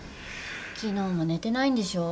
昨日も寝てないんでしょ？